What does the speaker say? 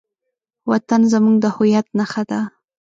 وطن زموږ د هویت نښه ده.